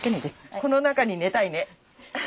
この中に寝たいね。